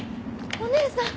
お姉さん！